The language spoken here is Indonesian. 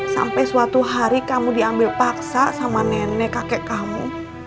sampai suatu hari kamu diambil paksa sama nenek kakek kamu